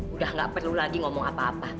udah gak perlu lagi ngomong apa apa